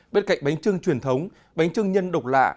bên cạnh bánh trưng truyền thống bánh trưng nhân độc lạ